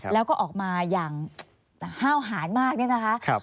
แล้วก็ออกมาอย่างห้าวหานมากเนี่ยนะคะ